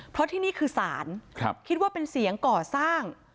เพราะที่นี่คือศาลคิดว่าเป็นเสียงก่อสร้าง